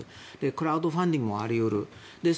クラウドファンディングもあり得る。